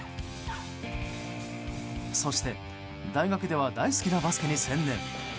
そして大学では大好きなバスケに専念。